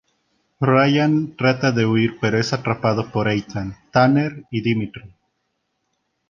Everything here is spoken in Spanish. Ryan trata de huir pero es atrapado por Ethan, Tanner y Dimitri.